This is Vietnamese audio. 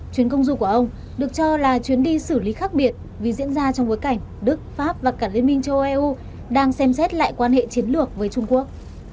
chuyến công du của ông được cho là chuyến đi xử lý khác biệt vì diễn ra trong bối cảnh đức pháp và cả liên minh châu âu đang xem xét lại quan hệ chiến lược với trung quốc